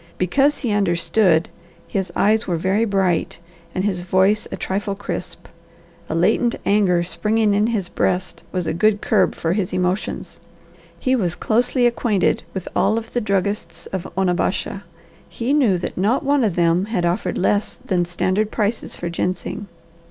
Because he understood, his eyes were very bright, and his voice a trifle crisp. A latent anger springing in his breast was a good curb for his emotions. He was closely acquainted with all of the druggists of Onabasha, and he knew that not one of them had offered less than standard prices for ginseng.